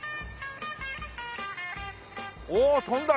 おお飛んだ！